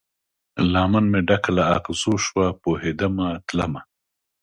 لمن مې ډکه د اغزو شوه، پوهیدمه تلمه